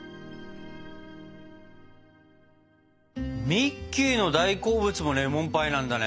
ミッキーの大好物もレモンパイなんだね。